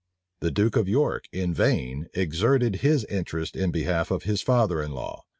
The duke of York in vain exerted his interest in behalf of his father in law.